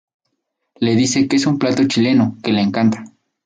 Le dice que es un plato chileno que le encanta.